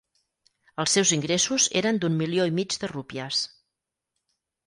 Els seus ingressos eren d'un milió i mig de rupies.